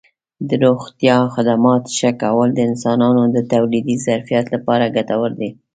د روغتیا خدماتو ښه کول د انسانانو د تولیدي ظرفیت لپاره ګټور دي.